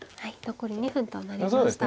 残り２分となりました。